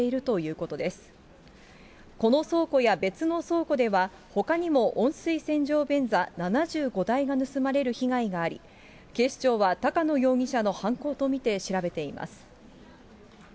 この倉庫や別の倉庫では、ほかにも温水洗浄便座７５台が盗まれる被害があり、警視庁は高野容疑者の犯行と見て調べています。